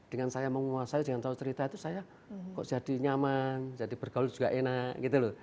dengan saya menguasai dengan tahu cerita itu saya kok jadi nyaman jadi bergaul juga enak gitu loh